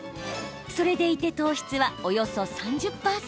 それでいて糖質はおよそ３０％。